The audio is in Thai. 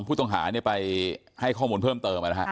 ผู้ตัวหานี้ไปเข้าข้อมูลเพิ่มเติม